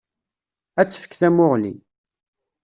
Ad tefk tamuɣli.